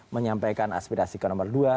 menyampaikan aspirasi ke nomor dua